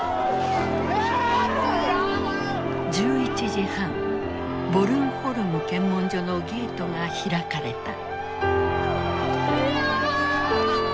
１１時半ボルンホルム検問所のゲートが開かれた。